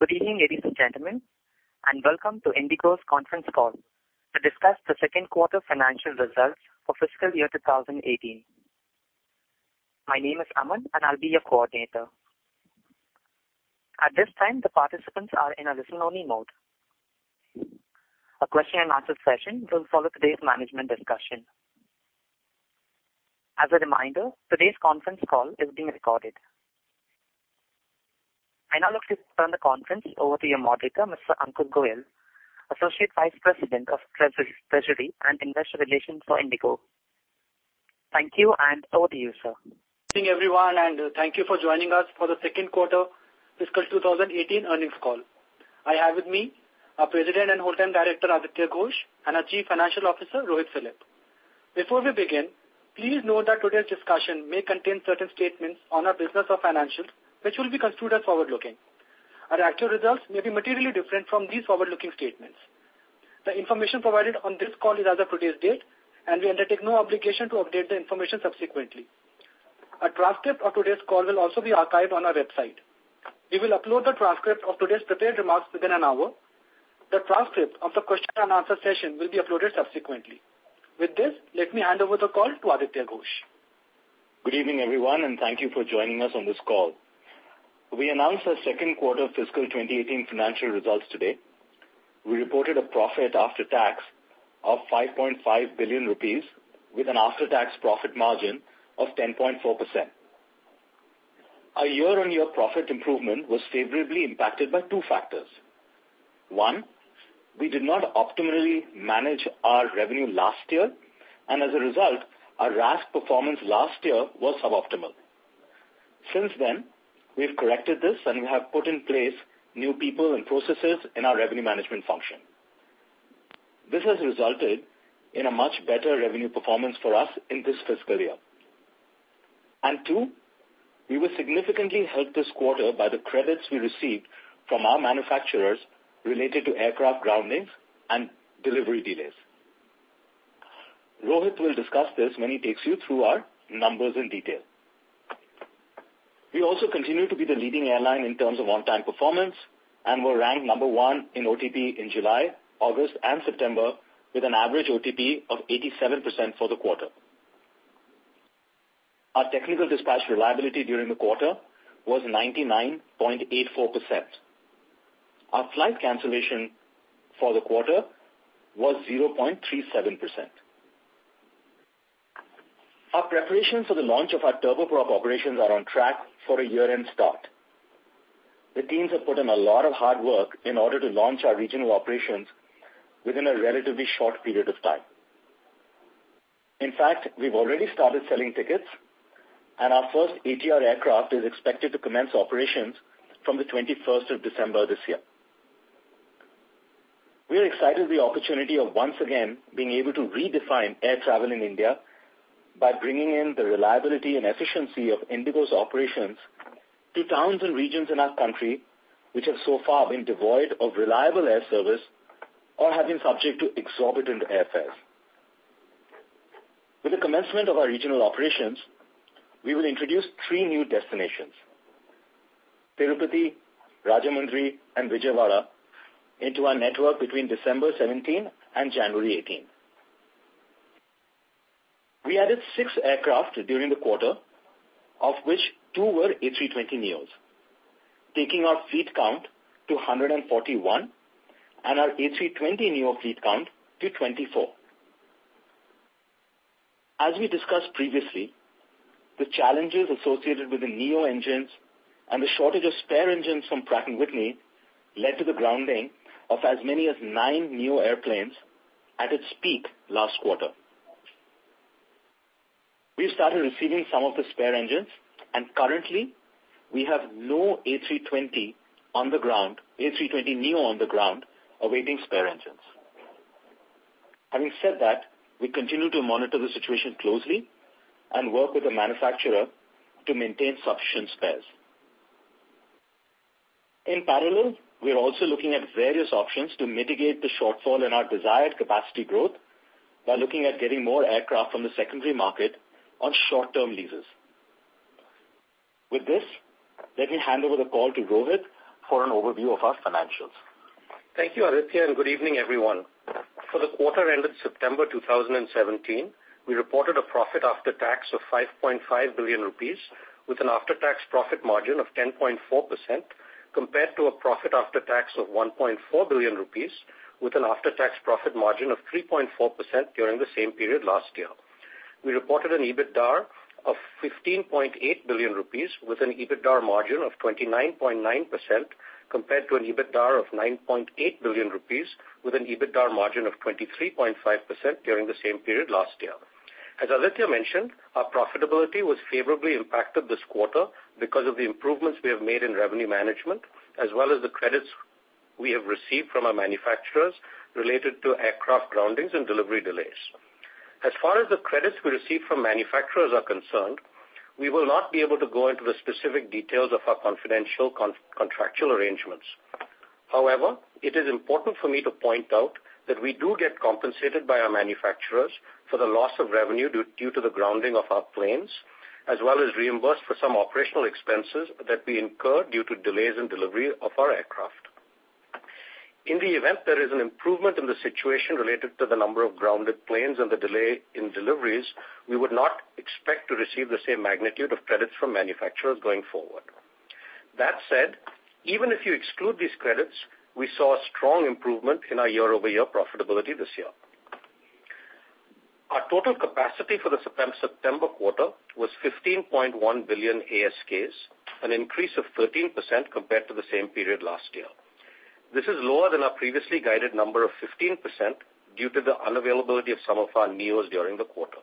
Good evening, ladies and gentlemen, and welcome to IndiGo's conference call to discuss the second quarter financial results for fiscal year 2018. My name is Aman, and I'll be your coordinator. At this time, the participants are in a listen only mode. A question and answer session will follow today's management discussion. As a reminder, today's conference call is being recorded. I now look to turn the conference over to your moderator, Mr. Ankur Goel, Associate Vice President of Treasury and Investor Relations for IndiGo. Thank you, and over to you, sir. Good evening, everyone, and thank you for joining us for the second quarter fiscal 2018 earnings call. I have with me our President and Whole Time Director, Aditya Ghosh, and our Chief Financial Officer, Rohit Philip. Before we begin, please note that today's discussion may contain certain statements on our business or financials which will be construed as forward-looking. Our actual results may be materially different from these forward-looking statements. The information provided on this call is as of today's date, and we undertake no obligation to update the information subsequently. A transcript of today's call will also be archived on our website. We will upload the transcript of today's prepared remarks within an hour. The transcript of the question and answer session will be uploaded subsequently. With this, let me hand over the call to Aditya Ghosh. Good evening, everyone, and thank you for joining us on this call. We announce our second quarter fiscal 2018 financial results today. We reported a profit after tax of 5.5 billion rupees with an after-tax profit margin of 10.4%. Our year-on-year profit improvement was favorably impacted by two factors. One, we did not optimally manage our revenue last year, and as a result, our RASK performance last year was suboptimal. Since then, we have corrected this and we have put in place new people and processes in our revenue management function. This has resulted in a much better revenue performance for us in this fiscal year. Two, we were significantly helped this quarter by the credits we received from our manufacturers related to aircraft groundings and delivery delays. Rohit will discuss this when he takes you through our numbers in detail. We also continue to be the leading airline in terms of on-time performance and were ranked number one in OTP in July, August, and September, with an average OTP of 87% for the quarter. Our technical dispatch reliability during the quarter was 99.84%. Our flight cancellation for the quarter was 0.37%. Our preparations for the launch of our turboprop operations are on track for a year-end start. The teams have put in a lot of hard work in order to launch our regional operations within a relatively short period of time. In fact, we've already started selling tickets, and our first ATR aircraft is expected to commence operations from the 21st of December this year. We are excited at the opportunity of once again being able to redefine air travel in India by bringing in the reliability and efficiency of IndiGo's operations to towns and regions in our country, which have so far been devoid of reliable air service or have been subject to exorbitant air fares. With the commencement of our regional operations, we will introduce three new destinations, Tirupati, Rajahmundry, and Vijayawada, into our network between December 2017 and January 2018. We added 6 aircraft during the quarter, of which 2 were A320neos, taking our fleet count to 141 and our A320neo fleet count to 24. As we discussed previously, the challenges associated with the neo engines and the shortage of spare engines from Pratt & Whitney led to the grounding of as many as 9 neo airplanes at its peak last quarter. We have started receiving some of the spare engines, and currently we have no A320neo on the ground awaiting spare engines. Having said that, we continue to monitor the situation closely and work with the manufacturer to maintain sufficient spares. In parallel, we are also looking at various options to mitigate the shortfall in our desired capacity growth by looking at getting more aircraft from the secondary market on short-term leases. With this, let me hand over the call to Rohit for an overview of our financials. Thank you, Aditya, and good evening, everyone. For the quarter ended September 2017, we reported a profit after tax of 5.5 billion rupees with an after-tax profit margin of 10.4%, compared to a profit after tax of 1.4 billion rupees with an after-tax profit margin of 3.4% during the same period last year. We reported an EBITDAR of 15.8 billion rupees with an EBITDAR margin of 29.9%, compared to an EBITDAR of 9.8 billion rupees with an EBITDAR margin of 23.5% during the same period last year. As Aditya mentioned, our profitability was favorably impacted this quarter because of the improvements we have made in revenue management as well as the credits we have received from our manufacturers related to aircraft groundings and delivery delays. As far as the credits we receive from manufacturers are concerned, we will not be able to go into the specific details of our confidential contractual arrangements. However, it is important for me to point out that we do get compensated by our manufacturers for the loss of revenue due to the grounding of our planes, as well as reimbursed for some operational expenses that we incur due to delays in delivery of our aircraft. In the event there is an improvement in the situation related to the number of grounded planes and the delay in deliveries, we would not expect to receive the same magnitude of credits from manufacturers going forward. That said, even if you exclude these credits, we saw a strong improvement in our year-over-year profitability this year. Our total capacity for the September quarter was 15.1 billion ASKs, an increase of 13% compared to the same period last year. This is lower than our previously guided number of 15% due to the unavailability of some of our neos during the quarter.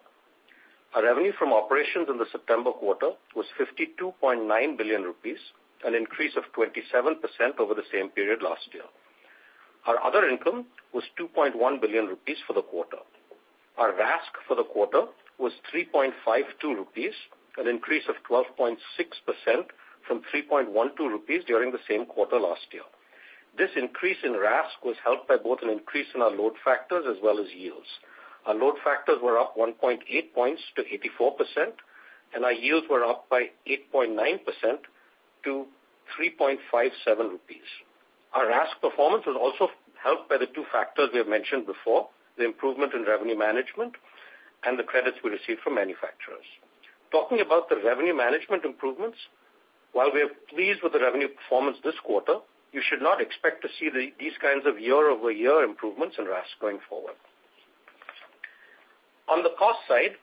Our revenue from operations in the September quarter was 52.9 billion rupees, an increase of 27% over the same period last year. Our other income was 2.1 billion rupees for the quarter. Our RASK for the quarter was 3.52 rupees, an increase of 12.6% from 3.12 rupees during the same quarter last year. This increase in RASK was helped by both an increase in our load factors as well as yields. Our load factors were up 1.8 points to 84%, and our yields were up by 8.9% to 3.57 rupees. Our RASK performance was also helped by the two factors we have mentioned before, the improvement in revenue management and the credits we received from manufacturers. Talking about the revenue management improvements, while we are pleased with the revenue performance this quarter, you should not expect to see these kinds of year-over-year improvements in RASK going forward. On the cost side,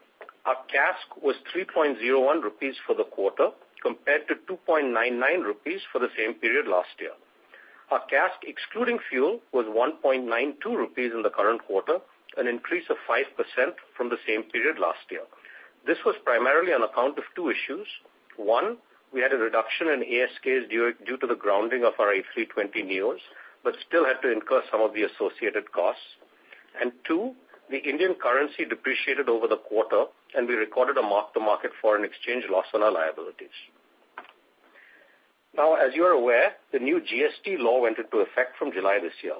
our CASK was 3.01 rupees for the quarter, compared to 2.99 rupees for the same period last year. Our CASK excluding fuel was 1.92 rupees in the current quarter, an increase of 5% from the same period last year. This was primarily on account of two issues. One, we had a reduction in ASKs due to the grounding of our A320neos, but still had to incur some of the associated costs. Two, the Indian currency depreciated over the quarter, and we recorded a mark-to-market foreign exchange loss on our liabilities. As you are aware, the new GST law went into effect from July this year.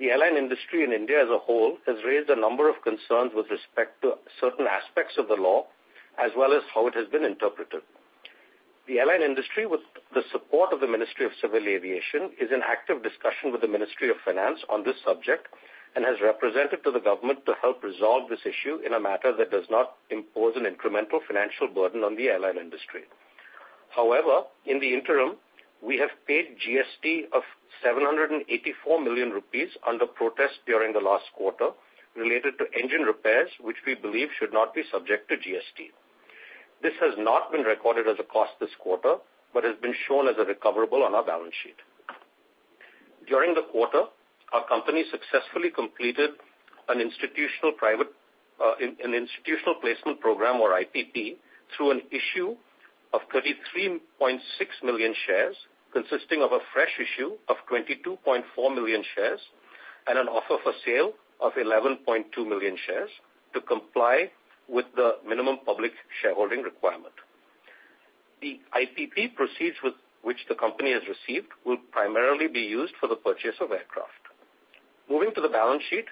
The airline industry in India as a whole has raised a number of concerns with respect to certain aspects of the law, as well as how it has been interpreted. The airline industry, with the support of the Ministry of Civil Aviation, is in active discussion with the Ministry of Finance on this subject, has represented to the government to help resolve this issue in a matter that does not impose an incremental financial burden on the airline industry. However, in the interim, we have paid GST of 784 million rupees under protest during the last quarter related to engine repairs, which we believe should not be subject to GST. This has not been recorded as a cost this quarter, but has been shown as a recoverable on our balance sheet. During the quarter, our company successfully completed an institutional placement program, or IPP, through an issue of 33.6 million shares, consisting of a fresh issue of 22.4 million shares and an offer for sale of 11.2 million shares to comply with the minimum public shareholding requirement. The IPP proceeds which the company has received will primarily be used for the purchase of aircraft. Moving to the balance sheet,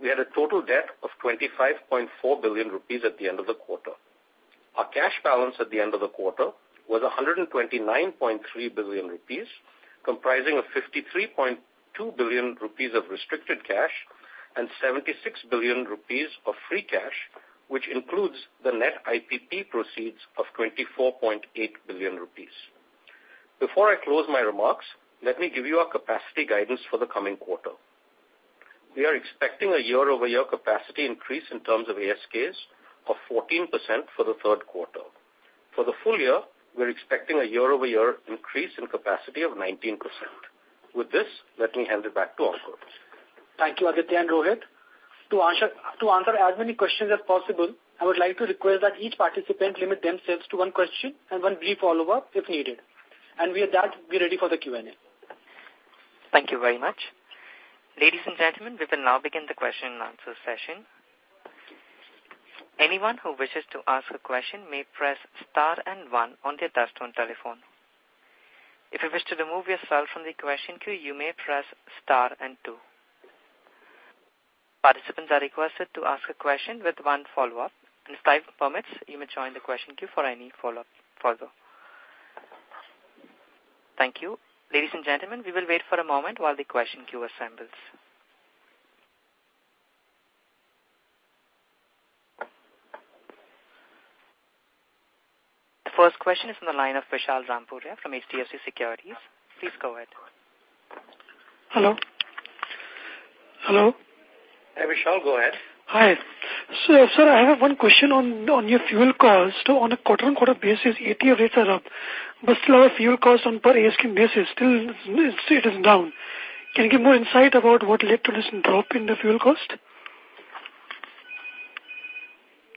we had a total debt of 25.4 billion rupees at the end of the quarter. Our cash balance at the end of the quarter was 129.3 billion rupees, comprising of 53.2 billion rupees of restricted cash and 76 billion rupees of free cash, which includes the net IPP proceeds of 24.8 billion rupees. Before I close my remarks, let me give you our capacity guidance for the coming quarter. We are expecting a year-over-year capacity increase in terms of ASKs of 14% for the third quarter. For the full year, we're expecting a year-over-year increase in capacity of 19%. With this, let me hand it back to Ankur. Thank you, Aditya and Rohit. To answer as many questions as possible, I would like to request that each participant limit themselves to one question and one brief follow-up if needed. With that, we're ready for the Q&A. Thank you very much. Ladies and gentlemen, we will now begin the question and answer session. Anyone who wishes to ask a question may press star and one on their touch-tone telephone. If you wish to remove yourself from the question queue, you may press star and two. Participants are requested to ask a question with one follow-up. If time permits, you may join the question queue for any follow-up further. Thank you. Ladies and gentlemen, we will wait for a moment while the question queue assembles. The first question is from the line of Vishal Rampuria from HDFC Securities. Please go ahead. Hello? Hello? Hi, Vishal. Go ahead. Hi. Sir, I have one question on your fuel cost. On a quarter-on-quarter basis, ATF rates are up, but still our fuel cost on per ASK basis still it is down. Can you give more insight about what led to this drop in the fuel cost?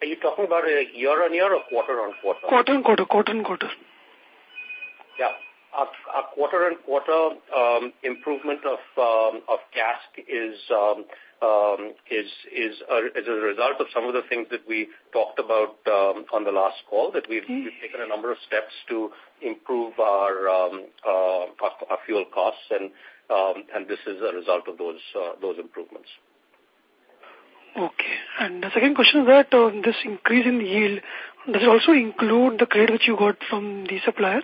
Are you talking about a year-on-year or quarter-on-quarter? Quarter on quarter. Quarter on quarter. Yeah. Our quarter-on-quarter improvement of CASK is a result of some of the things that we talked about on the last call, that we've taken a number of steps to improve our fuel costs and this is a result of those improvements. Okay. The second question is that this increase in yield, does it also include the credit which you got from the supplier?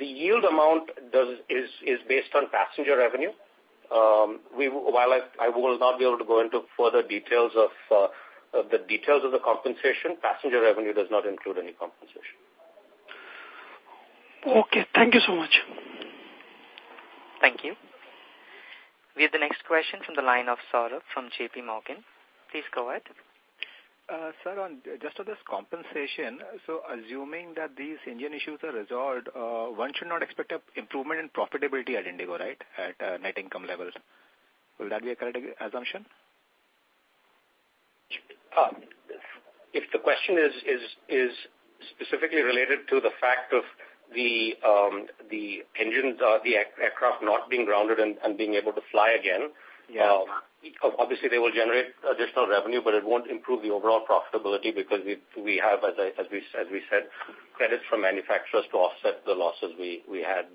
The yield amount is based on passenger revenue. While I will not be able to go into further details of the compensation, passenger revenue does not include any compensation. Okay. Thank you so much. Thank you. We have the next question from the line of Saurabh from JP Morgan. Please go ahead. Sir, just on this compensation. Assuming that these engine issues are resolved, one should not expect improvement in profitability at IndiGo, right? At net income levels. Will that be a correct assumption? If the question is specifically related to the fact of the aircraft not being grounded and being able to fly again. Yeah Obviously they will generate additional revenue, it won't improve the overall profitability because we have, as we said, credits from manufacturers to offset the losses we had,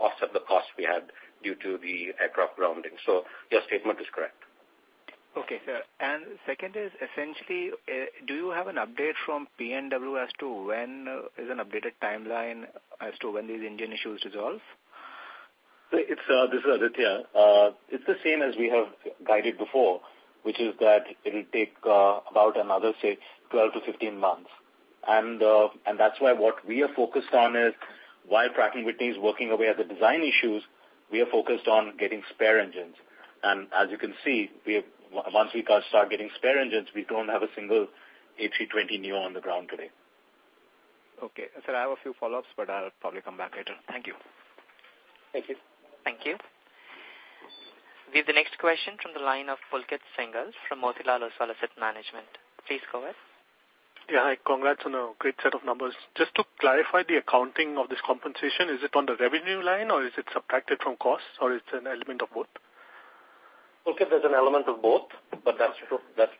offset the cost we had due to the aircraft grounding. Your statement is correct. Okay, sir. Second is essentially, do you have an update from P&W as to when is an updated timeline as to when these engine issues resolve? This is Aditya. It's the same as we have guided before, which is that it'll take about another, say, 12-15 months. That's why what we are focused on is while Pratt & Whitney is working away at the design issues, we are focused on getting spare engines. As you can see, once we start getting spare engines, we don't have a single A320neo on the ground today. Okay. Sir, I have a few follow-ups, I'll probably come back later. Thank you. Thank you. Thank you. We have the next question from the line of Pulkit Singhal from Motilal Oswal Asset Management. Please go ahead. Yeah. Hi. Congrats on a great set of numbers. Just to clarify the accounting of this compensation, is it on the revenue line or is it subtracted from costs, or it's an element of both? Pulkit, there's an element of both, but that's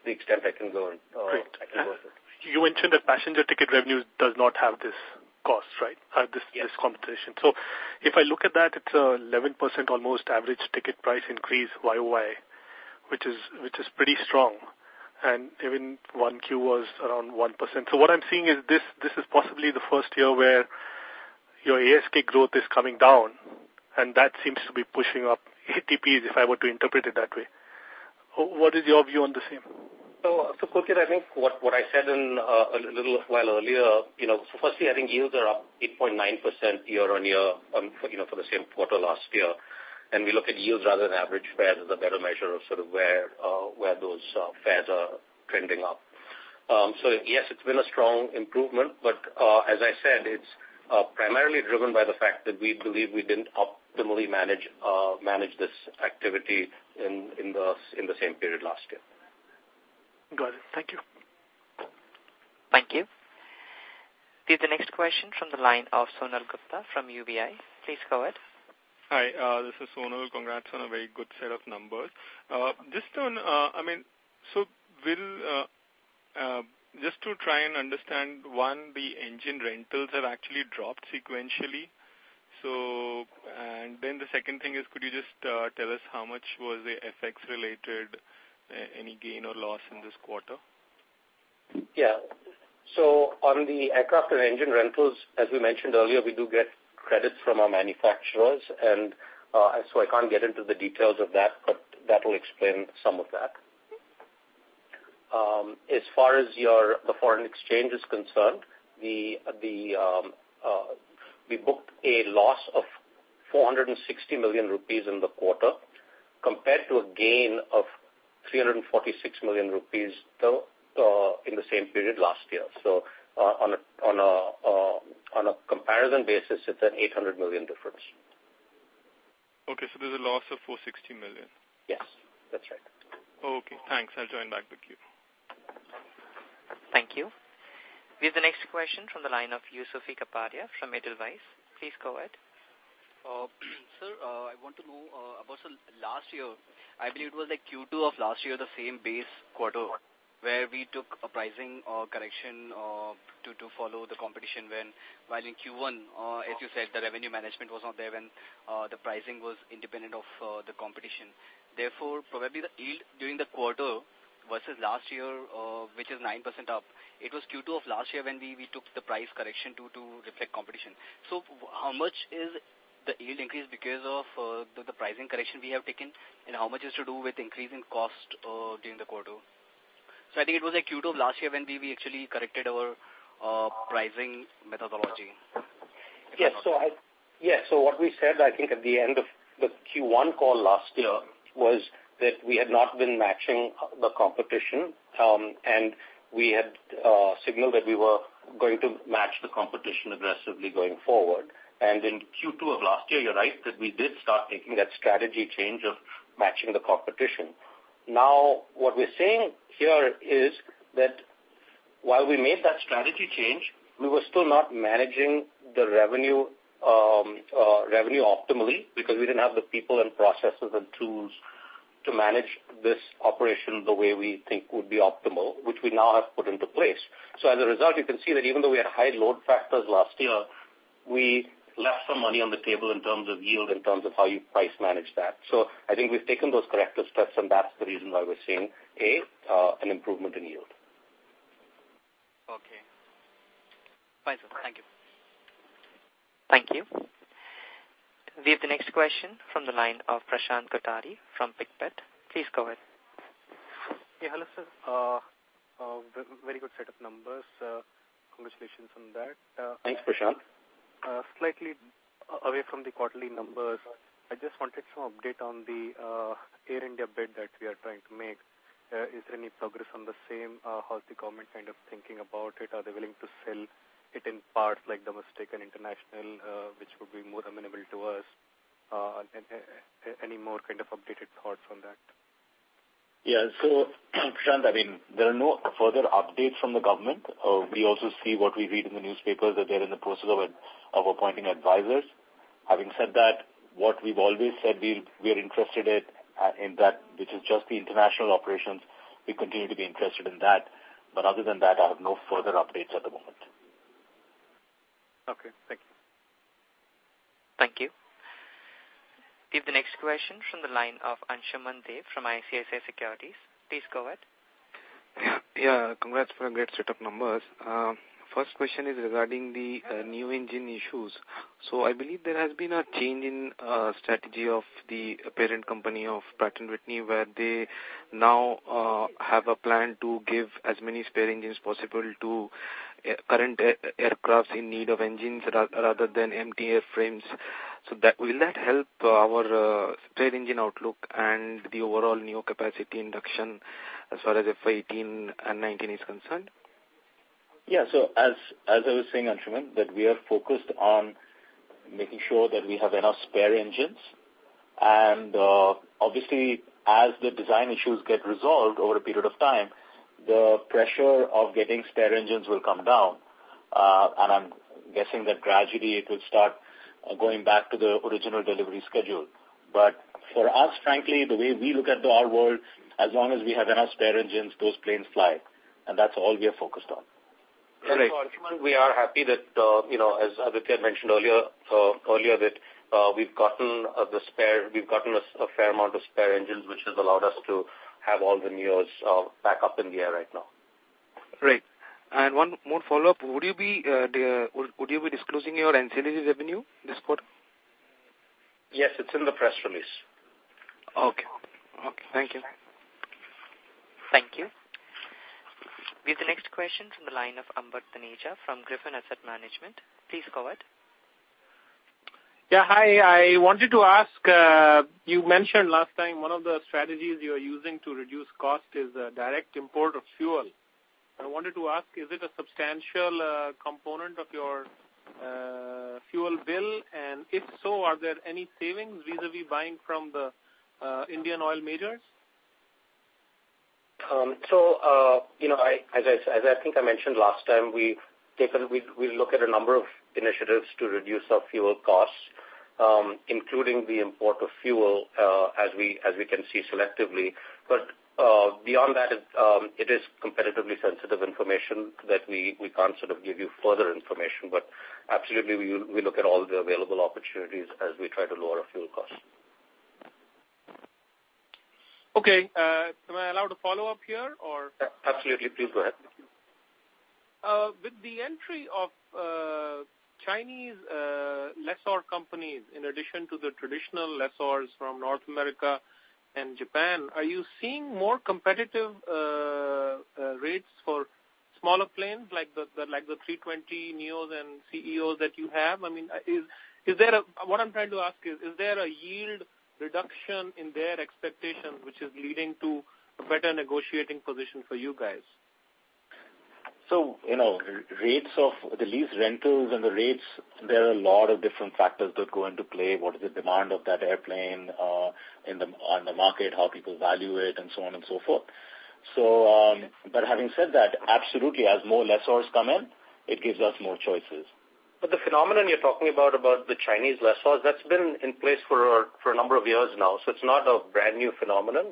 the extent I can go with it. Great. You mentioned that passenger ticket revenues does not have this cost, right? Yes this compensation. If I look at that, it's 11% almost average ticket price increase year-over-year, which is pretty strong. Even 1Q was around 1%. What I'm seeing is this is possibly the first year where your ASK growth is coming down, and that seems to be pushing up ATPs, if I were to interpret it that way. What is your view on the same? Pulkit, I think what I said a little while earlier, firstly, I think yields are up 8.9% year-on-year for the same quarter last year. We look at yields rather than average fares as a better measure of where those fares are trending up. Yes, it's been a strong improvement, but as I said, it's primarily driven by the fact that we believe we didn't optimally manage this activity in the same period last year. Got it. Thank you. Thank you. We have the next question from the line of Sonal Gupta from UBS. Please go ahead. Hi, this is Sonal. Congrats on a very good set of numbers. Just to try and understand, one, the engine rentals have actually dropped sequentially. The second thing is, could you just tell us how much was the FX related, any gain or loss in this quarter? Yeah. On the aircraft and engine rentals, as we mentioned earlier, we do get credits from our manufacturers. I can't get into the details of that, but that will explain some of that. As far as the foreign exchange is concerned, we booked a loss of 460 million rupees in the quarter compared to a gain of 346 million rupees in the same period last year. On a comparison basis, it's an 800 million difference. Okay, there's a loss of 460 million? Yes, that's right. Okay, thanks. I'll join back the queue. Thank you. We have the next question from the line of Yusuf Kapadia from Edelweiss. Please go ahead. Sir, I want to know about last year. I believe it was the Q2 of last year, the same base quarter where we took a pricing correction to follow the competition when while in Q1, as you said, the revenue management was not there when the pricing was independent of the competition. Therefore, probably the yield during the quarter versus last year, which is 9% up, it was Q2 of last year when we took the price correction to reflect competition. How much is the yield increase because of the pricing correction we have taken, and how much is to do with increase in cost during the quarter? I think it was the Q2 of last year when we actually corrected our pricing methodology. Yes. What we said, I think at the end of the Q1 call last year, was that we had not been matching the competition, and we had signaled that we were going to match the competition aggressively going forward. In Q2 of last year, you're right, that we did start taking that strategy change of matching the competition. What we're saying here is that while we made that strategy change, we were still not managing the revenue optimally because we didn't have the people and processes and tools to manage this operation the way we think would be optimal, which we now have put into place. As a result, you can see that even though we had high load factors last year, we left some money on the table in terms of yield, in terms of how you price manage that. I think we've taken those corrective steps, and that's the reason why we're seeing, A, an improvement in yield. Okay. Bye, sir. Thank you. Thank you. We have the next question from the line of Prashant Kothari from Pictet. Please go ahead. Yeah. Hello, sir. Very good set of numbers. Congratulations on that. Thanks, Prashant. Slightly away from the quarterly numbers, I just wanted some update on the Air India bid that we are trying to make. Is there any progress on the same? How's the government thinking about it? Are they willing to sell it in parts like domestic and international, which would be more amenable to us? Any more updated thoughts on that? Yeah. Prashant, there are no further updates from the government. We also see what we read in the newspaper, that they're in the process of appointing advisors. Having said that, what we've always said we are interested in, that which is just the international operations, we continue to be interested in that. Other than that, I have no further updates at the moment. Okay, thank you. Thank you. We have the next question from the line of Ansuman Deb from ICICI Securities. Please go ahead. Yeah. Congrats for a great set of numbers. First question is regarding the new engine issues. I believe there has been a change in strategy of the parent company of Pratt & Whitney, where they now have a plan to give as many spare engines possible to current aircraft in need of engines, rather than empty airframes. Will that help our spare engine outlook and the overall neo capacity induction as far as FY 2018 and 2019 is concerned? As I was saying, Ansuman, that we are focused on making sure that we have enough spare engines. Obviously, as the design issues get resolved over a period of time, the pressure of getting spare engines will come down. I'm guessing that gradually it will start going back to the original delivery schedule. For us, frankly, the way we look at our world, as long as we have enough spare engines, those planes fly, and that's all we are focused on. Ansuman, we are happy that, as Aditya mentioned earlier, that we've gotten a fair amount of spare engines, which has allowed us to have all the neos back up in the air right now. Right. One more follow-up. Would you be disclosing your NCDs revenue this quarter? Yes, it's in the press release. Okay. Thank you. Thank you. We have the next question from the line of Ambar Dhanuja from Griffin Asset Management. Please go ahead. Yeah. Hi. I wanted to ask, you mentioned last time one of the strategies you're using to reduce cost is direct import of fuel. I wanted to ask, is it a substantial component of your fuel bill? If so, are there any savings vis-a-vis buying from the Indian oil majors? As I think I mentioned last time, we look at a number of initiatives to reduce our fuel costs, including the import of fuel, as we can see selectively. Beyond that, it is competitively sensitive information that we can't give you further information. Absolutely, we look at all the available opportunities as we try to lower our fuel costs. Okay. Am I allowed a follow-up here? Absolutely. Please go ahead. With the entry of Chinese lessor companies, in addition to the traditional lessors from North America and Japan, are you seeing more competitive rates for smaller planes like the A320neos and A320ceos that you have? What I'm trying to ask is there a yield reduction in their expectation, which is leading to a better negotiating position for you guys? The lease rentals and the rates, there are a lot of different factors that go into play. What is the demand of that airplane on the market, how people value it, and so on and so forth. Having said that, absolutely, as more lessors come in, it gives us more choices. The phenomenon you're talking about the Chinese lessors, that's been in place for a number of years now. It's not a brand-new phenomenon.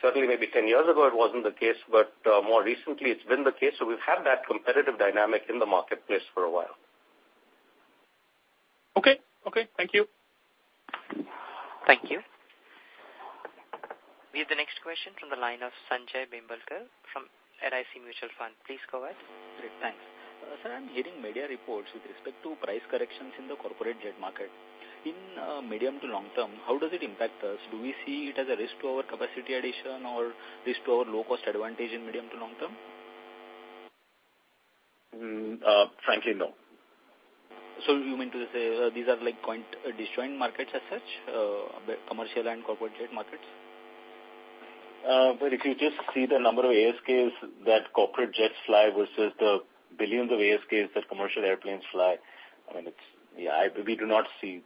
Certainly maybe 10 years ago it wasn't the case, but more recently it's been the case. We've had that competitive dynamic in the marketplace for a while. Okay. Thank you. Thank you. We have the next question from the line of Sanjay Bembalkar from LIC Mutual Fund. Please go ahead. Great. Thanks. Sir, I'm hearing media reports with respect to price corrections in the corporate jet market. In medium to long term, how does it impact us? Do we see it as a risk to our capacity addition or risk to our low-cost advantage in medium to long term? Frankly, no. You mean to say these are like disjoint markets as such, commercial and corporate jet markets? If you just see the number of ASKs that corporate jets fly versus the billions of ASKs that commercial airplanes fly, we do not see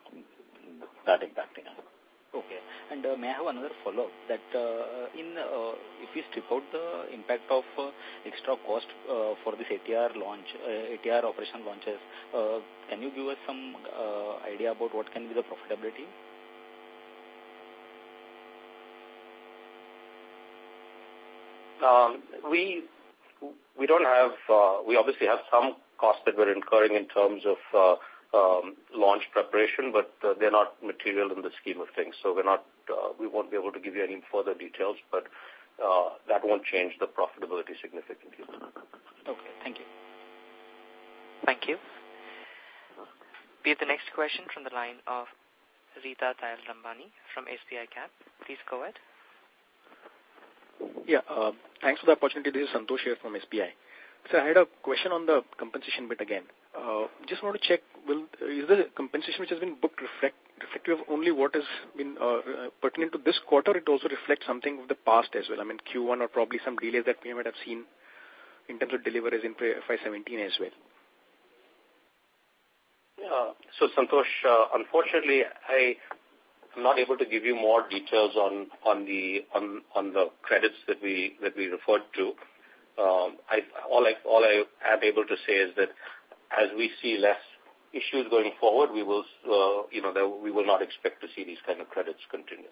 that impacting us. Okay. May I have another follow-up? That if you strip out the impact of extra cost for this ATR operation launches, can you give us some idea about what can be the profitability? We obviously have some costs that we're incurring in terms of launch preparation, but they're not material in the scheme of things. We won't be able to give you any further details, but that won't change the profitability significantly. Okay. Thank you. Thank you. We have the next question from the line of Ritika Tulsiyan Rambani from SBI Cap. Please go ahead. Thanks for the opportunity. This is Santosh here from SBI. I had a question on the compensation bit again. Just want to check, is the compensation which has been booked reflective of only what has been pertinent to this quarter? It also reflects something of the past as well, Q1 or probably some delays that we might have seen in terms of deliveries in FY 2017 as well. Santosh, unfortunately, I am not able to give you more details on the credits that we referred to. All I am able to say is that as we see less issues going forward, we will not expect to see these kind of credits continue.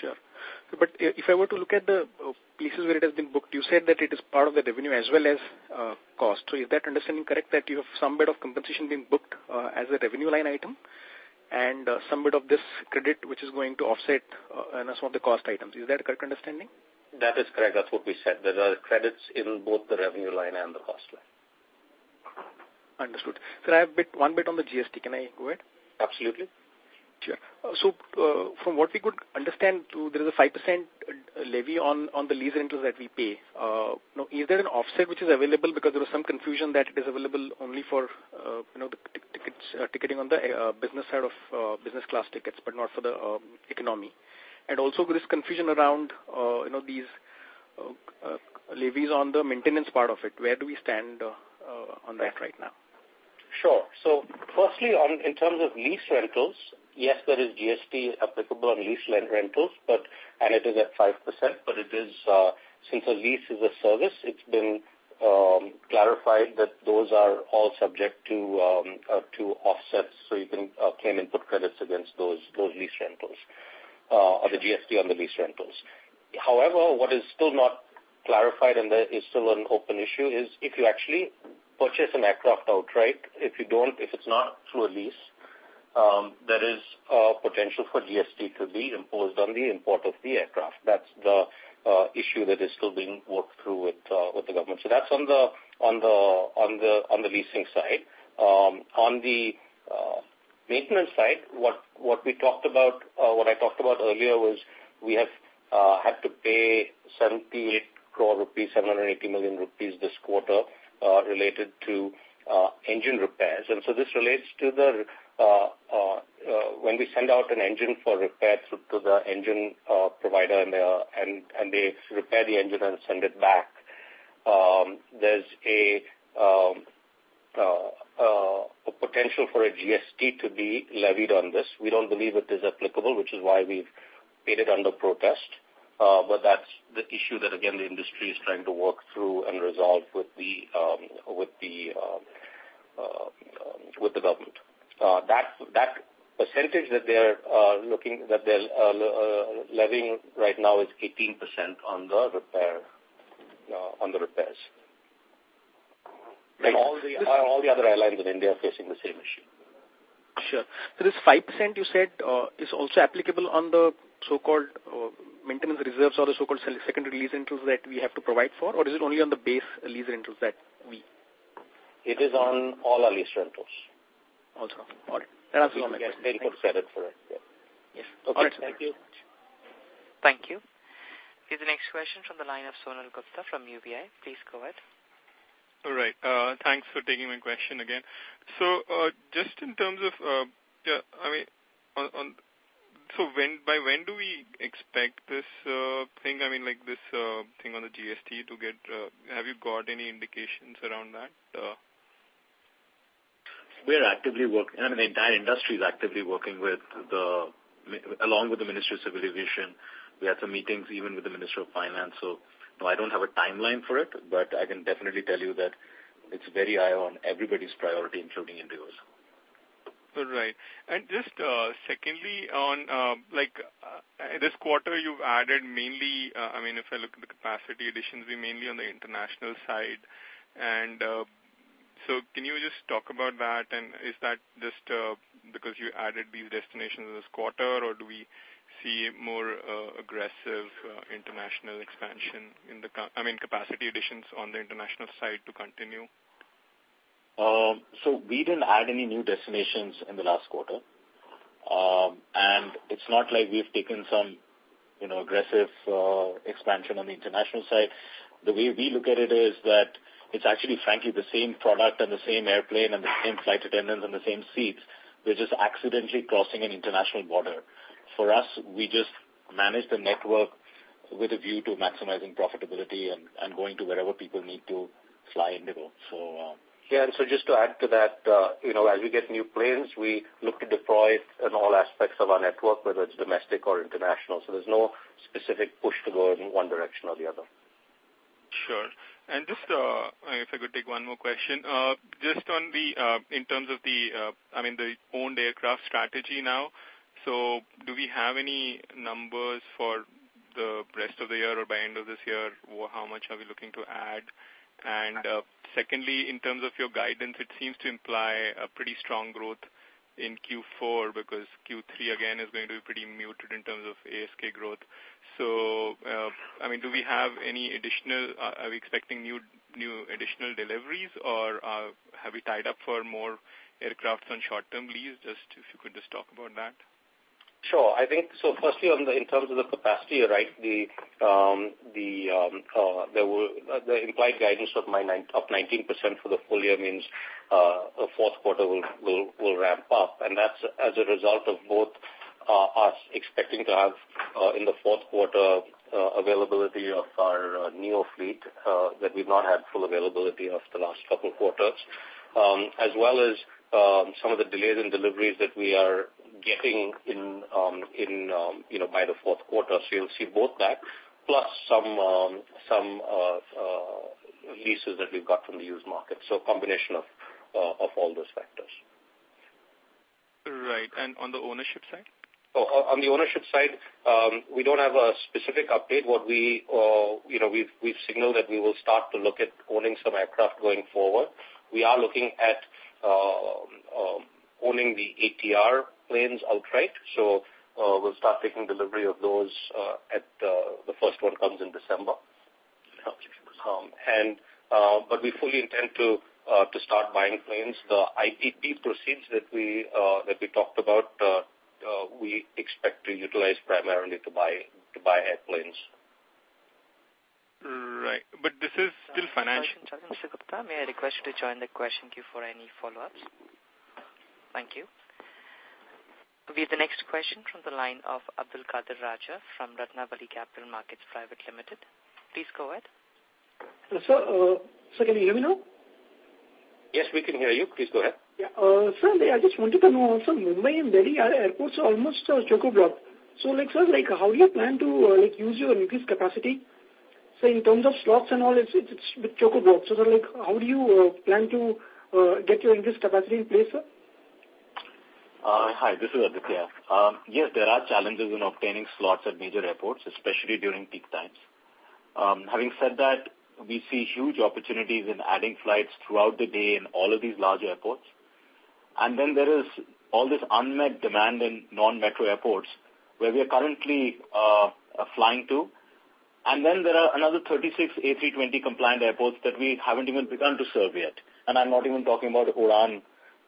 Sure. If I were to look at the pieces where it has been booked, you said that it is part of the revenue as well as cost. Is that understanding correct, that you have some bit of compensation being booked as a revenue line item and some bit of this credit, which is going to offset some of the cost items? Is that a correct understanding? That is correct. That's what we said. There are credits in both the revenue line and the cost line. Understood. Sir, I have one bit on the GST. Can I go ahead? Absolutely. Sure. From what we could understand too, there is a 5% levy on the lease rentals that we pay. Is there an offset which is available? Because there was some confusion that it is available only for the ticketing on the business side of business class tickets, but not for the economy. Also, there is confusion around these levies on the maintenance part of it. Where do we stand on that right now? Sure. Firstly, in terms of lease rentals, yes, there is GST applicable on lease rentals, and it is at 5%. Since a lease is a service, it has been clarified that those are all subject to offsets. You can claim input credits against those lease rentals or the GST on the lease rentals. However, what is still not clarified and that is still an open issue is if you actually purchase an aircraft outright, if it is not through a lease, there is a potential for GST to be imposed on the import of the aircraft. That is the issue that is still being worked through with the government. That is on the leasing side. On the maintenance side, what I talked about earlier was we have had to pay 78 crore rupees, 780 million rupees this quarter related to engine repairs. This relates to when we send out an engine for repairs to the engine provider and they repair the engine and send it back. There is a potential for a GST to be levied on this. We do not believe it is applicable, which is why we have paid it under protest. That is the issue that, again, the industry is trying to work through and resolve with the government. That percentage that they are levying right now is 18% on the repairs. All the other airlines in India are facing the same issue. Sure. This 5% you said is also applicable on the so-called maintenance reserves or the so-called secondary lease rentals that we have to provide for, or is it only on the base lease rentals that we It is on all our lease rentals. Also. Got it. That's all my questions. Thank you. We could set it for that, yeah. Yes. Okay. Thank you. Thank you. Here's the next question from the line of Sonal Gupta from UBS. Please go ahead. All right. Thanks for taking my question again. By when do we expect this thing on the GST? Have you got any indications around that? The entire industry is actively working along with the Ministry of Civil Aviation. We had some meetings even with the Ministry of Finance. No, I don't have a timeline for it, but I can definitely tell you that it's very high on everybody's priority, including IndiGo's. All right. Just secondly, on this quarter, you've added mainly, if I look at the capacity additions, mainly on the international side. Can you just talk about that? And is that just because you added these destinations this quarter, or do we see more aggressive international expansion, capacity additions on the international side to continue? We didn't add any new destinations in the last quarter. It's not like we've taken some aggressive expansion on the international side. The way we look at it is that it's actually, frankly, the same product and the same airplane and the same flight attendants and the same seats. We're just accidentally crossing an international border. For us, we just manage the network with a view to maximizing profitability and going to wherever people need to fly IndiGo. Just to add to that, as we get new planes, we look to deploy in all aspects of our network, whether it's domestic or international. There's no specific push to go in one direction or the other. Just if I could take one more question. Just in terms of the owned aircraft strategy now, do we have any numbers for the rest of the year or by end of this year? How much are we looking to add? Secondly, in terms of your guidance, it seems to imply a pretty strong growth in Q4 because Q3 again is going to be pretty muted in terms of ASK growth. Are we expecting new additional deliveries or have we tied up for more aircraft on short-term lease? If you could just talk about that. Sure. Firstly, in terms of the capacity, the implied guidance of 19% for the full year means the fourth quarter will ramp up, and that's as a result of both us expecting to have, in the fourth quarter, availability of our neo fleet that we've not had full availability of the last couple quarters, as well as some of the delays in deliveries that we are getting by the fourth quarter. You'll see both that plus some leases that we've got from the used market. Combination of all those factors. Right. On the ownership side? On the ownership side, we don't have a specific update. We've signaled that we will start to look at owning some aircraft going forward. We are looking at owning the ATR planes outright. We'll start taking delivery of those, the first one comes in December. We fully intend to start buying planes. The IPP proceeds that we talked about we expect to utilize primarily to buy airplanes. Right, this is still financial- May I request you to join the question queue for any follow-ups? Thank you. We have the next question from the line of Abdul Kader P from Ratnabali Capital Markets. Please go ahead. Hello, sir. Sir, can you hear me now? Yes, we can hear you. Please go ahead. Sir, I just wanted to know also Mumbai and Delhi airports are almost chock-a-block. Sir, how do you plan to use your increased capacity? In terms of slots and all, it's chock-a-block. Sir, how do you plan to get your increased capacity in place, sir? Hi, this is Aditya. Yes, there are challenges in obtaining slots at major airports, especially during peak times. Having said that, we see huge opportunities in adding flights throughout the day in all of these large airports. There is all this unmet demand in non-metro airports where we are currently flying to. There are another 36 A320 compliant airports that we haven't even begun to serve yet, and I'm not even talking about UDAN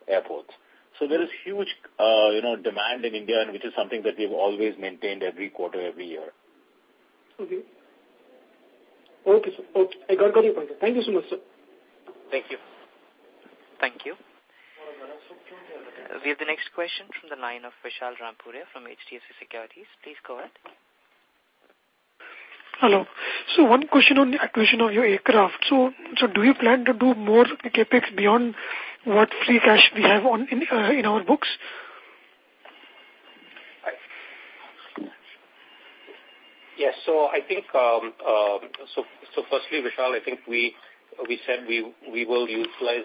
airports. There is huge demand in India, and which is something that we've always maintained every quarter, every year. Okay. Okay, sir. I got your point. Thank you so much, sir. Thank you. Thank you. We have the next question from the line of Vishal Rampuria from HDFC Securities. Please go ahead. Hello. One question on the acquisition of your aircraft. Do you plan to do more CapEx beyond what free cash we have in our books? Yes. Firstly, Vishal, I think we said we will utilize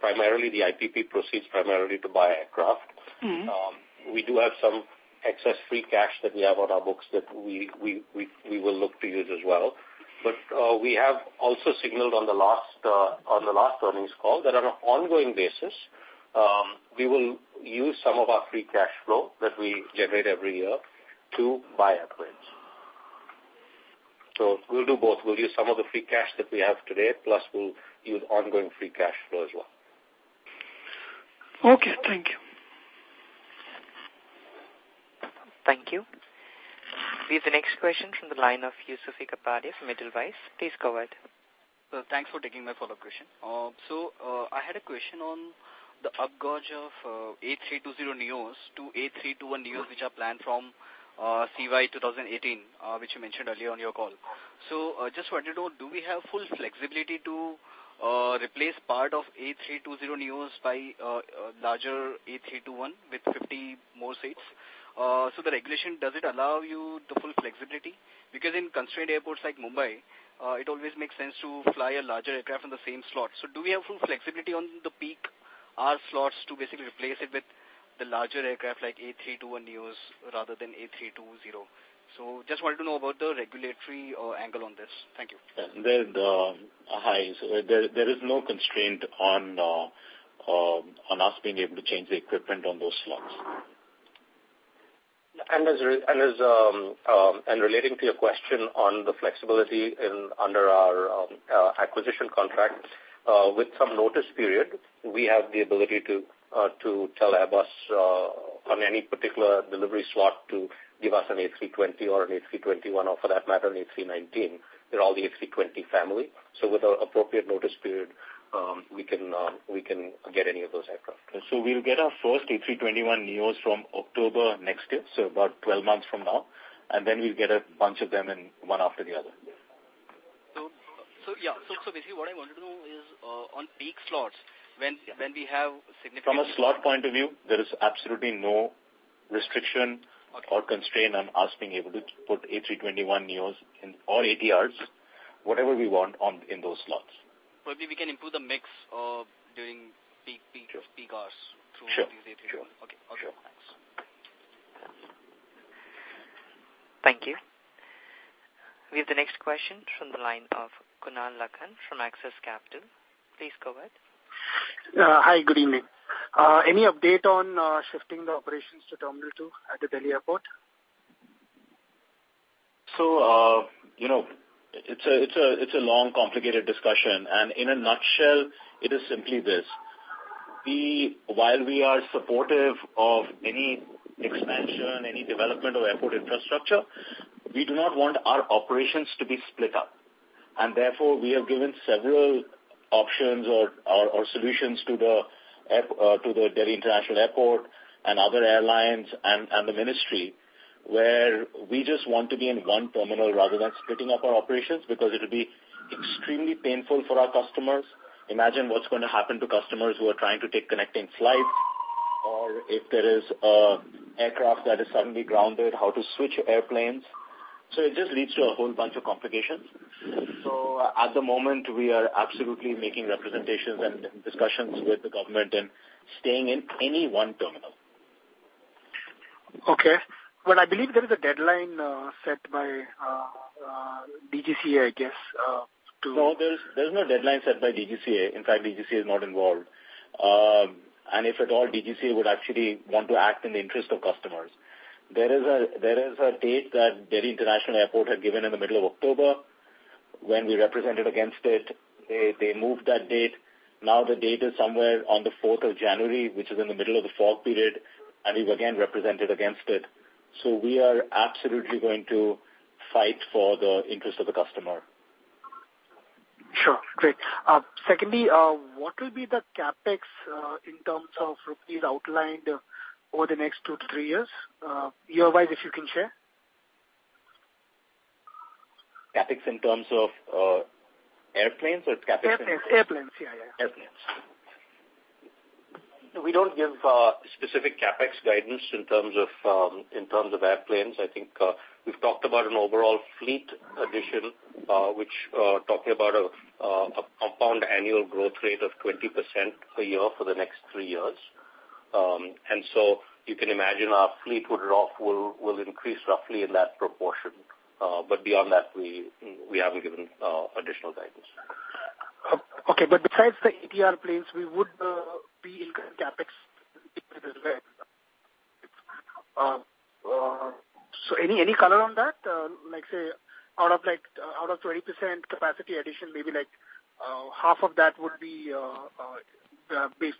primarily the IPP proceeds primarily to buy aircraft. We do have some excess free cash that we have on our books that we will look to use as well. We have also signaled on the last earnings call that on an ongoing basis, we will use some of our free cash flow that we generate every year to buy airplanes. We'll do both. We'll use some of the free cash that we have today, plus we'll use ongoing free cash flow as well. Okay. Thank you. Thank you. We have the next question from the line of Yusuf Kapadia from Edelweiss. Please go ahead. Sir, thanks for taking my follow-up question. I had a question on the upgauge of A320neos to A321neos, which are planned from CY 2018, which you mentioned earlier on your call. Just wanted to know, do we have full flexibility to replace part of A320neos by larger A321 with 50 more seats? The regulation, does it allow you the full flexibility? Because in constrained airports like Mumbai, it always makes sense to fly a larger aircraft on the same slot. Do we have full flexibility on the peak hour slots to basically replace it with the larger aircraft like A321neos rather than A320? Just wanted to know about the regulatory angle on this. Thank you. Hi. There is no constraint on us being able to change the equipment on those slots. Relating to your question on the flexibility under our acquisition contract, with some notice period, we have the ability to tell Airbus on any particular delivery slot to give us an A320 or an A321, or for that matter, an A319. They're all the A320 family. With appropriate notice period, we can get any of those aircraft. We'll get our first A321neos from October next year, about 12 months from now, and then we'll get a bunch of them one after the other. Basically what I wanted to know is on peak slots, when we have significant- From a slot point of view, there is absolutely no restriction or constraint on us being able to put A321neos or ATRs, whatever we want in those slots. Maybe we can improve the mix of doing peak hours through these ATR. Sure. Okay. Thanks. Thank you. We have the next question from the line of Kunal Lakhan from Axis Capital. Please go ahead. Hi, good evening. Any update on shifting the operations to terminal 2 at the Delhi airport? It's a long, complicated discussion, in a nutshell, it is simply this. While we are supportive of any expansion, any development of airport infrastructure, we do not want our operations to be split up. Therefore, we have given several options or solutions to the Delhi International Airport and other airlines and the Ministry, where we just want to be in one terminal rather than splitting up our operations, because it'll be extremely painful for our customers. Imagine what's going to happen to customers who are trying to take connecting flights, or if there is an aircraft that is suddenly grounded, how to switch airplanes. It just leads to a whole bunch of complications. At the moment, we are absolutely making representations and discussions with the government and staying in any one terminal. Okay. I believe there is a deadline set by DGCA, I guess. No, there's no deadline set by DGCA. In fact, DGCA is not involved. If at all, DGCA would actually want to act in the interest of customers. There is a date that Delhi International Airport had given in the middle of October. When we represented against it, they moved that date. Now the date is somewhere on the 4th of January, which is in the middle of the fog period, and we've again represented against it. We are absolutely going to fight for the interest of the customer. Sure. Great. Secondly, what will be the CapEx in terms of INR outlined over the next two to three years, year-wise, if you can share? CapEx in terms of airplanes or CapEx. Airplanes, yeah. Airplanes. We don't give specific CapEx guidance in terms of airplanes. I think we've talked about an overall fleet addition, which talking about a compound annual growth rate of 20% per year for the next three years. You can imagine our fleet would increase roughly in that proportion. Beyond that, we haven't given additional guidance. Okay, besides the ATR planes, we would be in CapEx. Any color on that? Like, say, out of 20% capacity addition, maybe half of that would be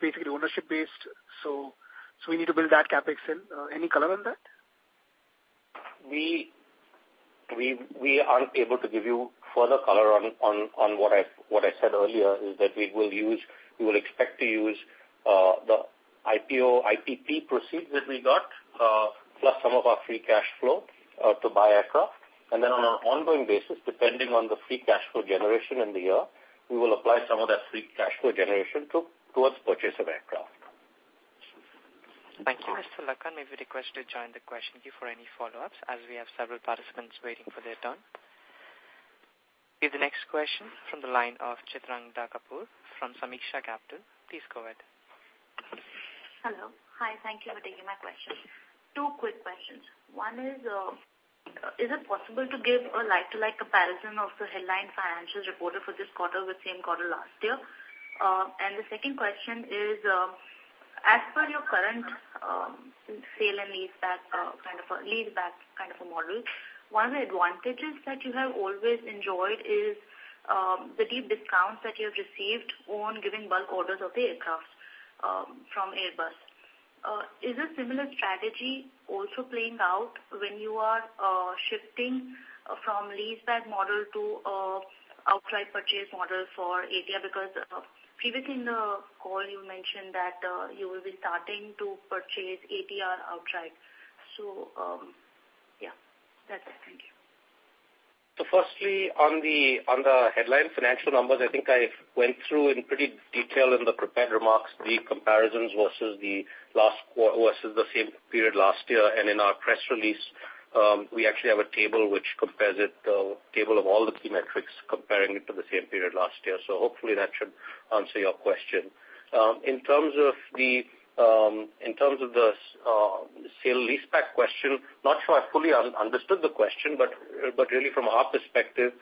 basically ownership based. We need to build that CapEx in. Any color on that? We aren't able to give you further color on what I said earlier, is that we will expect to use the IPO, IPP proceeds that we got, plus some of our free cash flow, to buy aircraft. On an ongoing basis, depending on the free cash flow generation in the year, we will apply some of that free cash flow generation towards purchase of aircraft. Thank you. Mr. Lakhan, may we request you to join the question queue for any follow-ups, as we have several participants waiting for their turn. We have the next question from the line of Chitrangda Kapoor from Sameeksha Capital. Please go ahead. Hello. Hi, thank you for taking my question. Two quick questions. One is it possible to give a like-to-like comparison of the headline financials reported for this quarter with same quarter last year? The second question is, as per your current sale and leaseback kind of a model, one of the advantages that you have always enjoyed is the deep discounts that you have received on giving bulk orders of the aircraft from Airbus. Is a similar strategy also playing out when you are shifting from leaseback model to outright purchase model for ATR? Because previously in the call, you mentioned that you will be starting to purchase ATR outright. Yeah. That's it. Thank you. Firstly, on the headline financial numbers, I think I went through in pretty detail in the prepared remarks the comparisons versus the same period last year. In our press release, we actually have a table of all the key metrics comparing it to the same period last year. Hopefully that should answer your question. In terms of the sale leaseback question, not sure I fully understood the question, really from our perspective,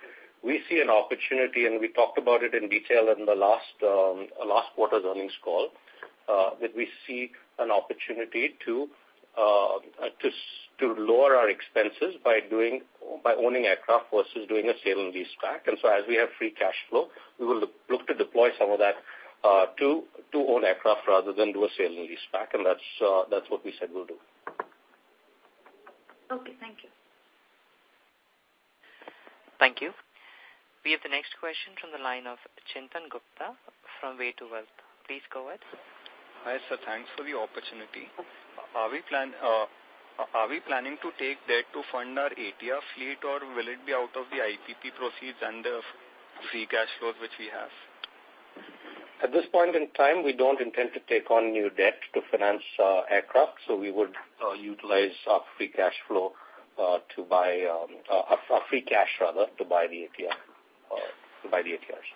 we see an opportunity, and we talked about it in detail in the last quarter's earnings call, that we see an opportunity to lower our expenses by owning aircraft versus doing a sale and leaseback. As we have free cash flow, we will look to deploy some of that to own aircraft rather than do a sale and leaseback, and that's what we said we'll do. Okay. Thank you. Thank you. We have the next question from the line of Chintan Gupta from Way2Wealth. Please go ahead. Hi, sir. Thanks for the opportunity. Are we planning to take debt to fund our ATR fleet, or will it be out of the IPP proceeds and the free cash flows which we have? At this point in time, we don't intend to take on new debt to finance aircraft. We would utilize our free cash rather, to buy the ATR or to buy the ATRs.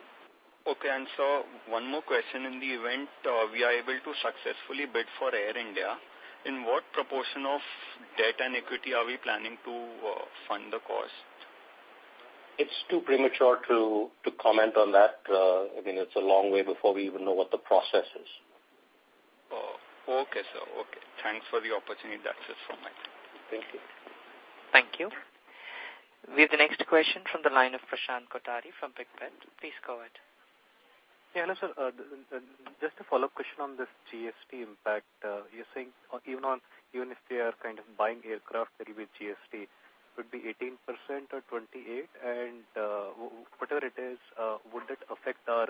Okay. Sir, one more question. In the event we are able to successfully bid for Air India, in what proportion of debt and equity are we planning to fund the cost? It's too premature to comment on that. It's a long way before we even know what the process is. Okay, sir. Okay. Thanks for the opportunity. That's it from my side. Thank you. Thank you. We have the next question from the line of Prashant Kothari from Pictet. Please go ahead. Hello, sir. Just a follow-up question on this GST impact. You're saying even if they are kind of buying aircraft, there'll be GST. Would be 18% or 28? Whatever it is, would it affect our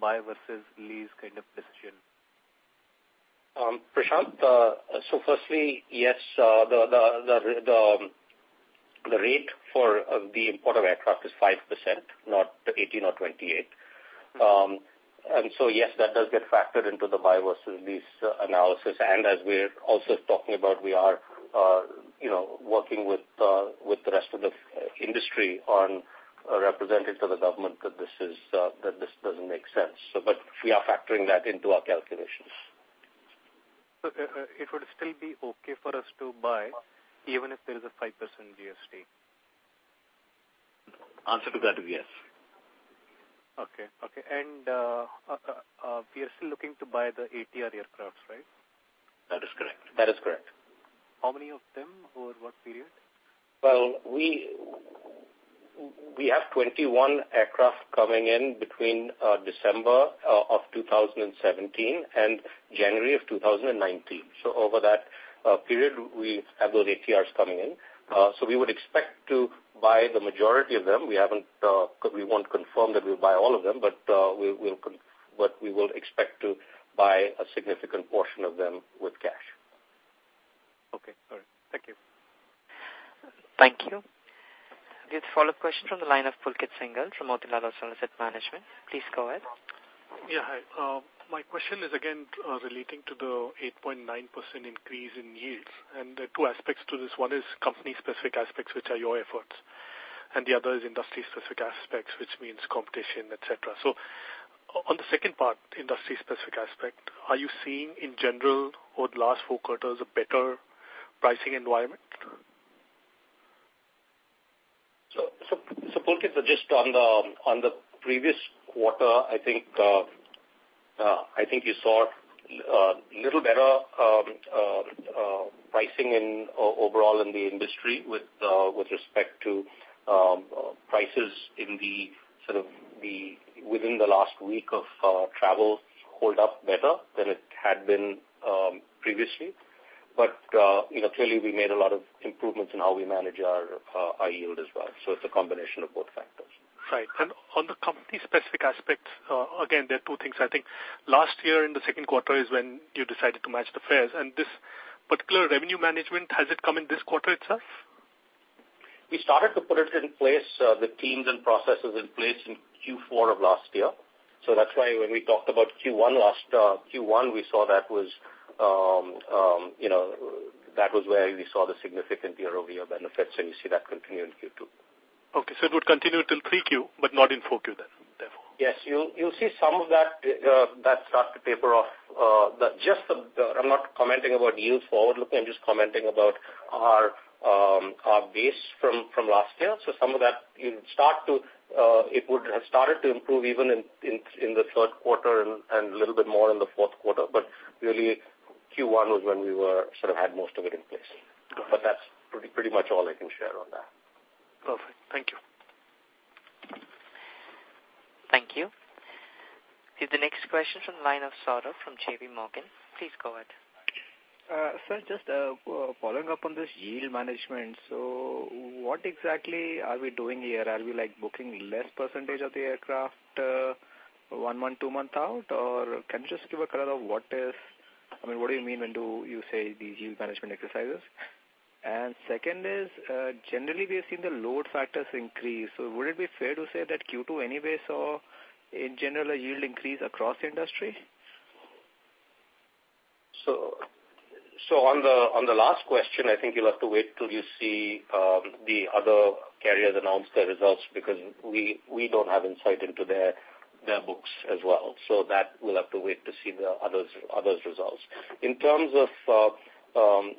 buy versus lease kind of decision? Prashant, firstly, yes, the rate for the import of aircraft is 5%, not 18 or 28. Yes, that does get factored into the buy versus lease analysis. As we're also talking about, we are working with the rest of the industry on representing to the government that this doesn't make sense. We are factoring that into our calculations. It would still be okay for us to buy, even if there is a 5% GST? Answer to that would be yes. Okay. We are still looking to buy the ATR aircraft, right? That is correct. How many of them? Over what period? Well, we have 21 aircraft coming in between December 2017 and January 2019. Over that period, we have those ATRs coming in. We would expect to buy the majority of them. We won't confirm that we'll buy all of them, but we will expect to buy a significant portion of them with cash. Okay, got it. Thank you. Thank you. We have a follow-up question from the line of Pulkit Singhal from Motilal Oswal Asset Management. Please go ahead. Yeah, hi. My question is again, relating to the 8.9% increase in yields. There are two aspects to this. One is company-specific aspects, which are your efforts, and the other is industry-specific aspects, which means competition, et cetera. On the second part, industry-specific aspect, are you seeing in general over the last four quarters, a better pricing environment? Pulkit, just on the previous quarter, I think you saw a little better pricing overall in the industry with respect to prices sort of within the last week of travel, hold up better than it had been previously. Clearly, we made a lot of improvements in how we manage our yield as well. It's a combination of both factors. On the company-specific aspect, again, there are two things. I think last year in the second quarter is when you decided to match the fares. This particular revenue management, has it come in this quarter itself? We started to put it in place, the teams and processes in place in Q4 of last year. That's why when we talked about Q1, we saw that was where we saw the significant year-over-year benefits, you see that continue in Q2. It would continue till 3Q, not in 4Q then, therefore. Yes. You'll see some of that start to taper off. I'm not commenting about yields forward-looking. I'm just commenting about our base from last year. Some of that it would have started to improve even in the third quarter and a little bit more in the fourth quarter. Really, Q1 was when we were sort of had most of it in place. Got it. That's pretty much all I can share on that. Perfect. Thank you. Thank you. We have the next question from the line of Saurabh from JP Morgan. Please go ahead. Sir, just following up on this yield management. What exactly are we doing here? Are we booking less percentage of the aircraft one month, two month out? Can you just give a color of what do you mean when you say these yield management exercises? Second is, generally we have seen the load factors increase. Would it be fair to say that Q2 anyway saw in general a yield increase across the industry? On the last question, I think you'll have to wait till you see the other carriers announce their results, because we don't have insight into their books as well. That we'll have to wait to see the others' results. In terms of your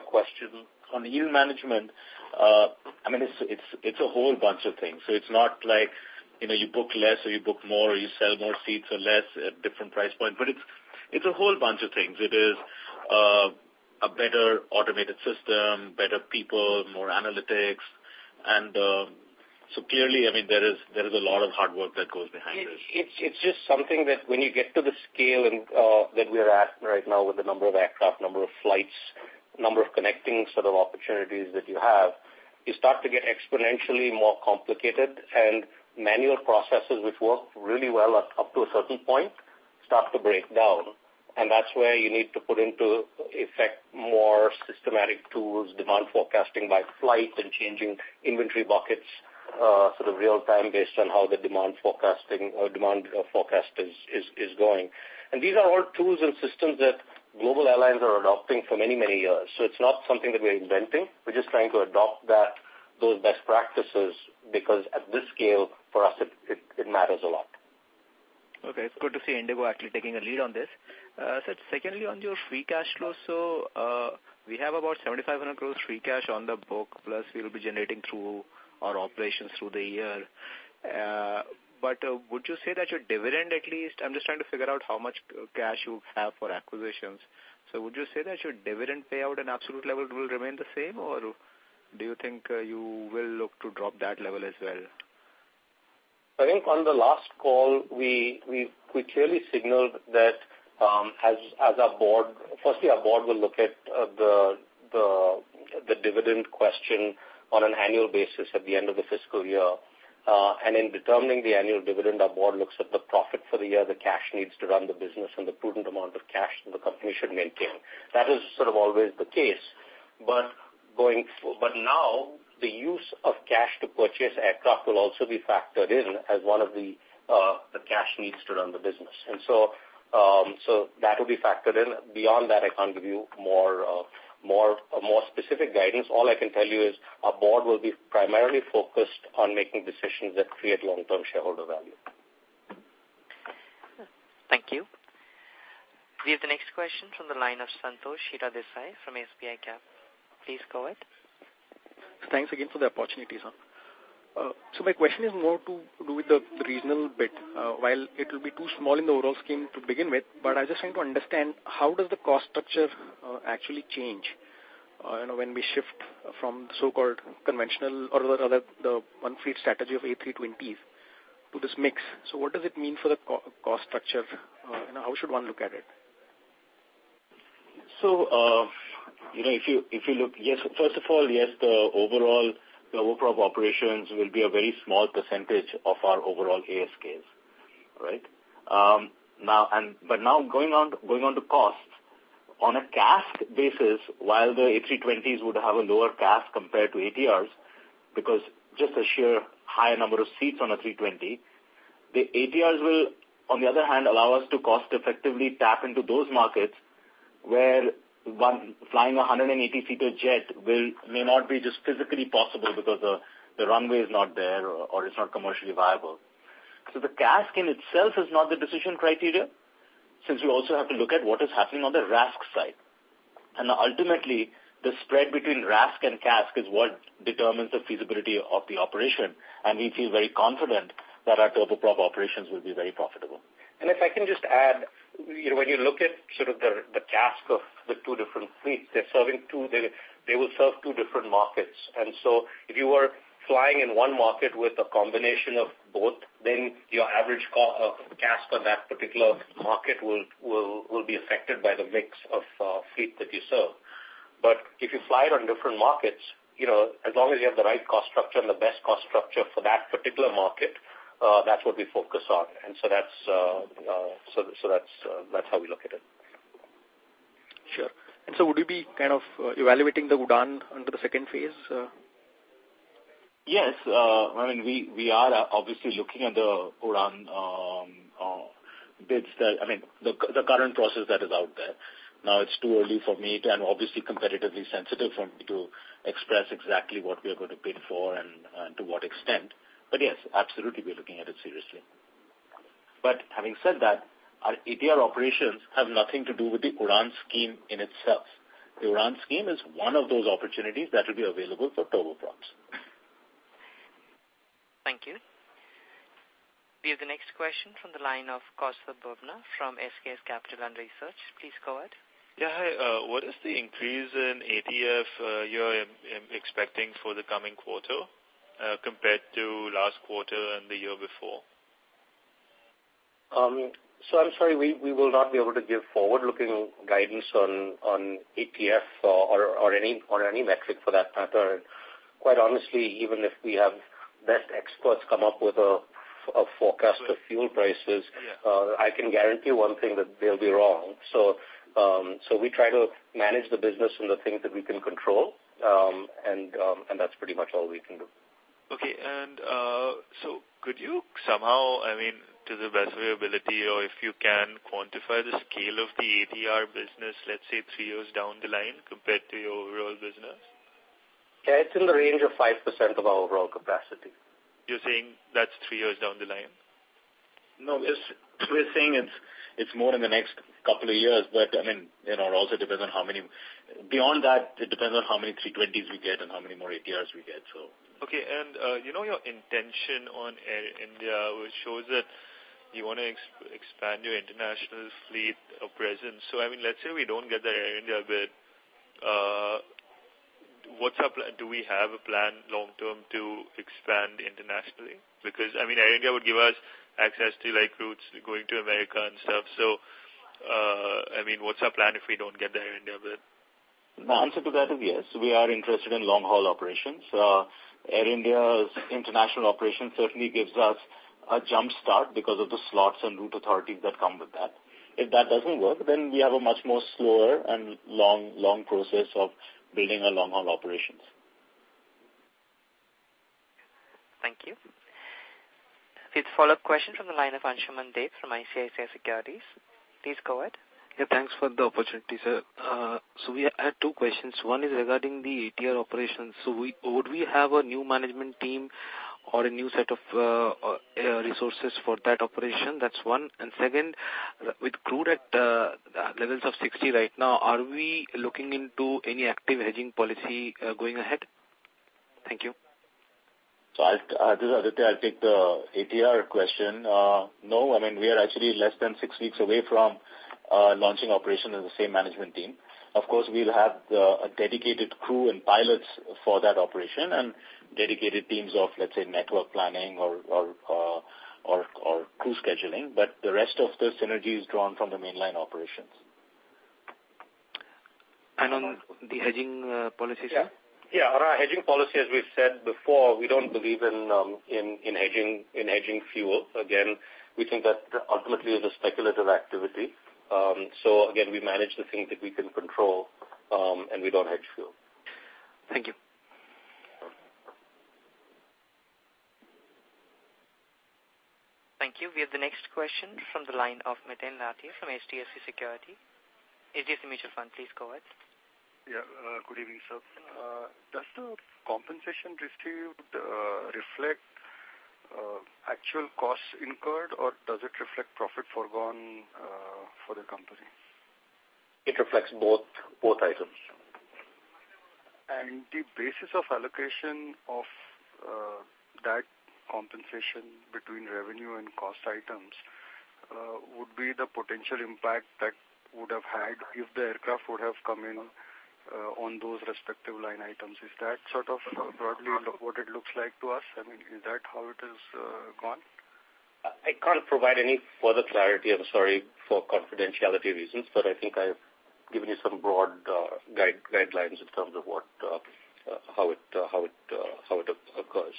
question on the yield management, it's a whole bunch of things. It's not like you book less or you book more, or you sell more seats or less at different price point, but it's a whole bunch of things. It is a better automated system, better people, more analytics. Clearly, there is a lot of hard work that goes behind this. It's just something that when you get to the scale that we are at right now with the number of aircraft, number of flights, number of connecting sort of opportunities that you have, you start to get exponentially more complicated and manual processes, which work really well up to a certain point start to break down. That's where you need to put into effect more systematic tools, demand forecasting by flight and changing inventory buckets, sort of real time based on how the demand forecasting or demand forecast is going. These are all tools and systems that global airlines are adopting for many, many years. It's not something that we're inventing. We're just trying to adopt those best practices because at this scale, for us, it matters a lot. Okay. It's good to see IndiGo actually taking a lead on this. Sir, secondly, on your free cash flow. We have about 7,500 gross free cash on the book, plus we'll be generating through our operations through the year. Would you say that your dividend at least, I'm just trying to figure out how much cash you have for acquisitions. Would you say that your dividend payout and absolute level will remain the same, or do you think you will look to drop that level as well? I think on the last call, we clearly signaled that firstly, our board will look at the dividend question on an annual basis at the end of the fiscal year. In determining the annual dividend, our board looks at the profit for the year, the cash needs to run the business and the prudent amount of cash that the company should maintain. That is sort of always the case, but now the use of cash to purchase aircraft will also be factored in as one of the cash needs to run the business. That will be factored in. Beyond that, I can't give you more specific guidance. All I can tell you is our board will be primarily focused on making decisions that create long-term shareholder value. Thank you. We have the next question from the line of Santosh Hiredesai from SBICAP Securities. Please go ahead. Thanks again for the opportunity, sir. My question is more to do with the regional bit. While it will be too small in the overall scheme to begin with, but I was just trying to understand how does the cost structure actually change when we shift from the so-called conventional or the one fleet strategy of A320 to this mix. What does it mean for the cost structure? How should one look at it? If you look, first of all, yes, the overall turboprop operations will be a very small percentage of our overall ASKs. Now going on to cost, on a CASK basis, while the A320s would have a lower CASK compared to ATRs, because just the sheer higher number of seats on A320, the ATRs will, on the other hand, allow us to cost effectively tap into those markets where flying 180-seater jet may not be just physically possible because the runway is not there or it's not commercially viable. The CASK in itself is not the decision criteria, since you also have to look at what is happening on the RASK side. Ultimately, the spread between RASK and CASK is what determines the feasibility of the operation, and we feel very confident that our turboprop operations will be very profitable. If I can just add, when you look at the CASK of the two different fleets, they will serve two different markets. If you are flying in one market with a combination of both, then your average cost of CASK on that particular market will be affected by the mix of fleet that you serve. If you fly it on different markets, as long as you have the right cost structure and the best cost structure for that particular market, that's what we focus on. That's how we look at it. Sure. Would you be kind of evaluating the UDAN under the second phase? Yes. We are obviously looking at the UDAN bids that, the current process that is out there. It's too early for me to, and obviously competitively sensitive for me to express exactly what we are going to bid for and to what extent. Yes, absolutely, we are looking at it seriously. Having said that, our ATR operations have nothing to do with the UDAN scheme in itself. The UDAN scheme is one of those opportunities that will be available for turboprops. Thank you. We have the next question from the line of Kaspar Boberg from SKS Capital Research. Please go ahead. Yeah. Hi, what is the increase in ATF you're expecting for the coming quarter, compared to last quarter and the year before? I'm sorry, we will not be able to give forward-looking guidance on ATF or on any metric for that matter. Quite honestly, even if we have best experts come up with a forecast of fuel prices- Yeah I can guarantee one thing that they'll be wrong. We try to manage the business and the things that we can control, and that's pretty much all we can do. Okay. Could you somehow, to the best of your ability or if you can quantify the scale of the ATR business, let's say three years down the line compared to your overall business? Yeah, it's in the range of 5% of our overall capacity. You're saying that's three years down the line? No, we're saying it's more in the next couple of years. It also depends on how many. Beyond that, it depends on how many A320s we get and how many more ATRs we get. Okay. Your intention on Air India, which shows that you want to expand your international fleet or presence. Let's say we don't get that Air India bid. Do we have a plan long term to expand internationally? Because Air India would give us access to routes going to America and stuff. I mean, what's our plan if we don't get the Air India bid? The answer to that is yes, we are interested in long-haul operations. Air India's international operations certainly gives us a jumpstart because of the slots and route authorities that come with that. If that doesn't work, we have a much slower and long process of building our long-haul operations. Thank you. With follow-up question from the line of Ansuman Deb from ICICI Securities. Please go ahead. Yeah, thanks for the opportunity, sir. We had two questions. One is regarding the ATR operations. Would we have a new management team or a new set of resources for that operation? That's one. Second, with crude at levels of 60 right now, are we looking into any active hedging policy going ahead? Thank you. This is Aditya, I'll take the ATR question. We are actually less than 6 weeks away from launching operations with the same management team. Of course, we'll have a dedicated crew and pilots for that operation and dedicated teams of, let's say, network planning or crew scheduling. The rest of the synergy is drawn from the mainline operations. On the hedging policy, sir? Our hedging policy, as we've said before, we don't believe in hedging fuel. Again, we think that ultimately is a speculative activity. Again, we manage the things that we can control, and we don't hedge fuel. Thank you. Thank you. We have the next question from the line of Mittal Nathi from HDFC Securities. HDFC Mutual Fund, please go ahead. Yeah. Good evening, sir. Does the compensation received reflect actual costs incurred, or does it reflect profit forgone for the company? It reflects both items. The basis of allocation of that compensation between revenue and cost items would be the potential impact that would have had if the aircraft would have come in on those respective line items. Is that sort of broadly what it looks like to us? I mean, is that how it has gone? I can't provide any further clarity, I'm sorry, for confidentiality reasons, but I think I've given you some broad guidelines in terms of how it occurs.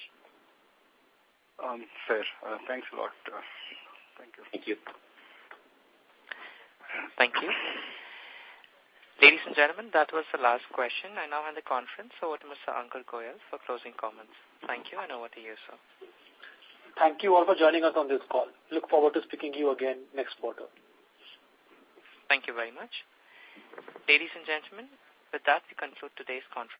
Fair. Thanks a lot. Thank you. Thank you. Thank you. Ladies and gentlemen, that was the last question. I now hand the conference over to Mr. Ankur Goel for closing comments. Thank you, and over to you, sir. Thank you all for joining us on this call. Look forward to speaking to you again next quarter. Thank you very much. Ladies and gentlemen, with that, we conclude today's conference.